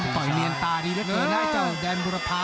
ต่อยเนียนตาดีด้วยนะเจ้าแดงบุราษา